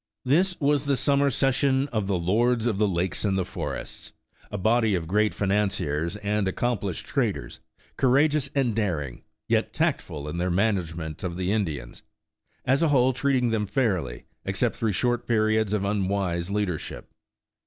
This was the summer session of ''the Lords of the Lakes and the Forests," a body of great financiers and accomplished traders, courageous and daring, yet tact ful in their management of the Indians; as a whole treating them fairly, except through short periods of unwise leadership.